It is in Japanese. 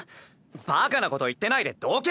バカなこと言ってないでどけ！